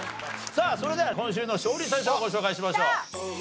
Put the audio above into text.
さあそれでは今週の勝利者賞ご紹介しましょう。